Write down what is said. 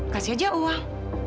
kasih aja uang